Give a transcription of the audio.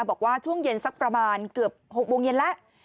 บอกว่าช่วงเย็นสักประมาณเกือบ๖โมงเย็นแล้ว